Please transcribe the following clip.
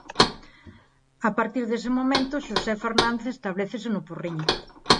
A partir dese momento Xosé Fernández establécese no Porriño.